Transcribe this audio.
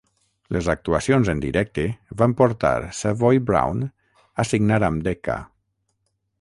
Les actuacions en directe van portar Savoy Brown a signar amb Decca.